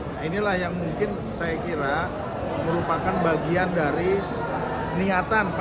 nah inilah yang mungkin saya kira merupakan bagian dari niatan